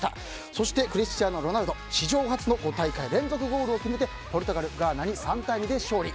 そしてクリスティアーノ・ロナウド史上初の５大会連続ゴールを決めてポルトガルがガーナに３対２で勝利。